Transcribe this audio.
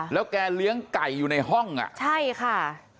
แล้วแกเลี้ยงไก่อยู่ในห้องอ่ะใช่ค่ะ